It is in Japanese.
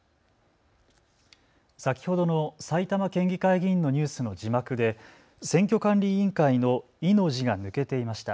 先ほどの埼玉県議会議員のニュースの字幕で選挙管理委員会の委の字が抜けていました。